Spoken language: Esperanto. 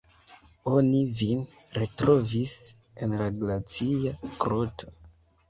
Oni vin retrovis en la glacia groto.